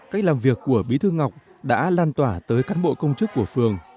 cách làm việc của bí thư ngọc đã lan tỏa tới cán bộ công chức của phường